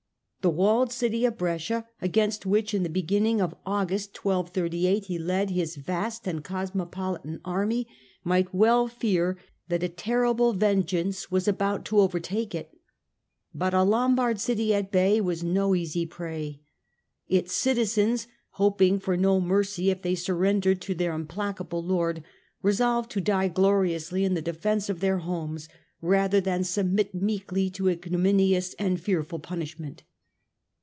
The walled city of Brescia, against which, in the be ginning of August, 1238, he led his vast and cosmo politan army, might well fear that a terrible vengeance 160 STUPOR MUNDI was about to overtake it. But a Lombard city at bay was no easy prey. Its citizens, hoping for no mercy if they surrendered to their implacable lord, resolved to die gloriously in the defence of their homes rather than submit meekly to ignominious and fearful punish ment.